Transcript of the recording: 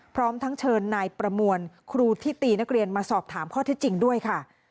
พร้อมทั้งเชิญนายประมวลครูที่ตีนักเรียนมาสอบถามข้อเท็จจริงด้วยค่ะ